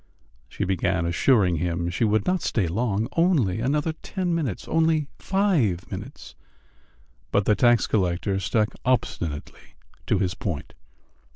She began assuring him she would not stay long, only another ten minutes, only five minutes; but the tax collector stuck obstinately to his point.